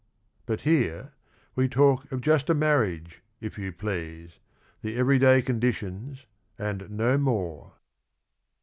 But here, We talk of just a marriage, if you please — The every day conditions and no more."